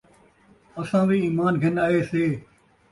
اَساں we ایمان گِھن آئے سے،